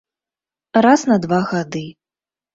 Раз на два гады.